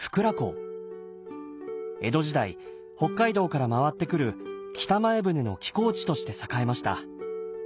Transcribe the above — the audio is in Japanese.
江戸時代北海道から回ってくる北前船の寄港地として栄えました。